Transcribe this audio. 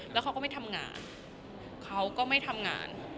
แล้วเขาก็ไม่ทำงานเขาก็ไม่ทำงาน